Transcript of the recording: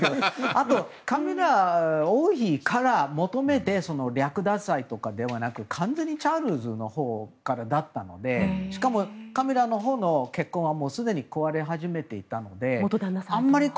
あと、カミラ王妃から求めて略奪愛とかではなく完全にチャールズからのほうだったのでしかも、カミラのほうの結婚はすでに壊れ始めていたので。